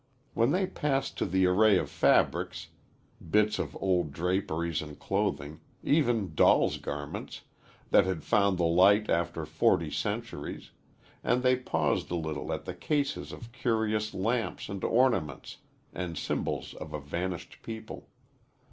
Then they passed to the array of fabrics bits of old draperies and clothing, even dolls' garments that had found the light after forty centuries, and they paused a little at the cases of curious lamps and ornaments and symbols of a vanished people.